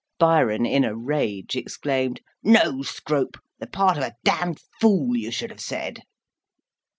Byron, in a rage, exclaimed, "No, Scrope; the part of a d d fool, you should have said."